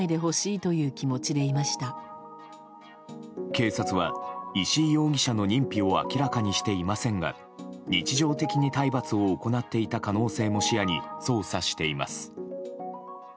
警察は、石井容疑者の認否を明らかにしていませんが日常的に体罰を行っていた可能性も視野に捜査しています。